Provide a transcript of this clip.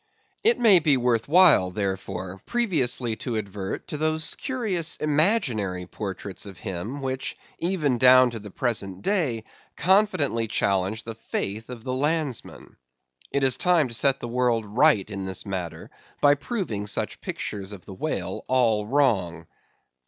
It may be worth while, therefore, previously to advert to those curious imaginary portraits of him which even down to the present day confidently challenge the faith of the landsman. It is time to set the world right in this matter, by proving such pictures of the whale all wrong.